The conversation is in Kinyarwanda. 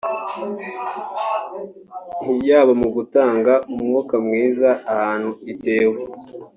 yaba mu gutanga umwuka mwiza ahantu itewe